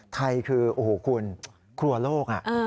ไทยคือโอ้โหคุณครัวโลก